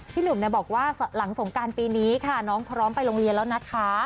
พี่หนุ่มบอกว่าหลังสงการปีนี้ค่ะน้องพร้อมไปโรงเรียนแล้วนะคะ